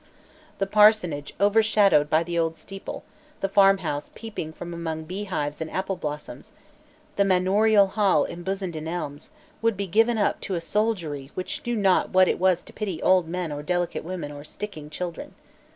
The parsonage overshadowed by the old steeple, the farmhouse peeping from among beehives and appleblossoms, the manorial hall embosomed in elms, would be given up to a soldiery which knew not what it was to pity old men or delicate women or sticking children.